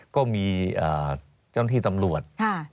ก็มีเจ้าหน้าที่ตำรวจ